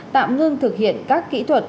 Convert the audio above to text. tạm ngưng thực hiện các kỹ thuật